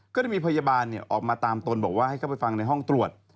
ก็ได้มีพยาบาลออกมาตามตนบอกว่าให้เข้าไปฟังในห้องตรวจ